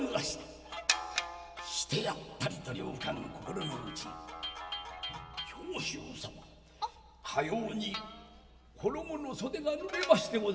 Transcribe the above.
してやったりと良寛心のうち「長州様かように衣の袖がぬれましてござりまするぞ」。